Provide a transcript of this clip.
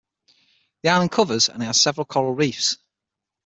The island covers and it has several coral reefs.